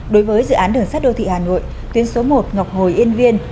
đối với dự án đường sắt đô thị hà nội tuyến số một ngọc hồi yên viên